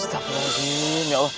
astagfirullahaladzim ya allah